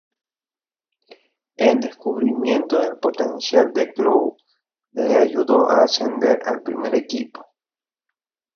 El descubrimiento del potencial de Clough le ayudó a ascender al primer equipo.